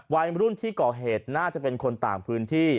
วัยรุ่นที่ก่อเหตุน่าจะเป็นคนต่างพื้นที่